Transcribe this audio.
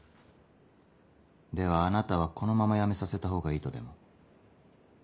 ではあなたはこのまま辞めさせたほうがいいとでも？